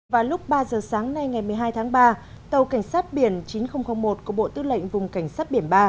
vào lúc ba giờ sáng nay ngày một mươi hai tháng ba tàu cảnh sát biển chín nghìn một của bộ tư lệnh vùng cảnh sát biển ba